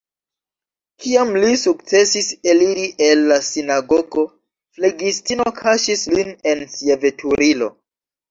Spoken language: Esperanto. Kiam li sukcesis eliri el la sinagogo, flegistino kaŝis lin en sia veturilo.